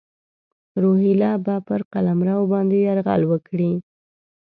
روهیله به پر قلمرو باندي یرغل وکړي.